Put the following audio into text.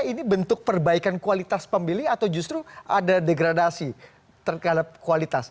ini bentuk perbaikan kualitas pemilih atau justru ada degradasi terhadap kualitas